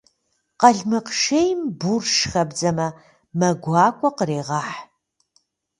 Къалмыкъ шейм бурш хэбдзэмэ, мэ гуакӏуэ къыхрегъэх.